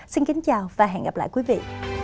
xin kính chào và hẹn gặp lại quý vị